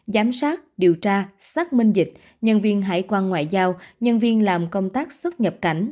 giám sát điều tra xác minh dịch nhân viên hải quan ngoại giao nhân viên làm công tác xuất nhập cảnh